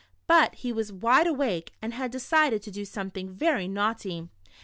But he was wide awake, and had decided to do something very naughty.